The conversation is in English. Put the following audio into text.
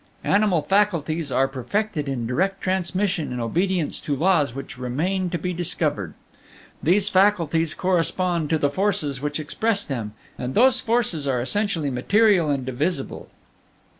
Animal faculties are perfected in direct transmission, in obedience to laws which remain to be discovered. These faculties correspond to the forces which express them, and those forces are essentially material and divisible.